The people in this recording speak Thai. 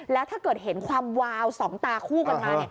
แล้วถ้าเกิดเห็นความวาวสองตาคู่กันมา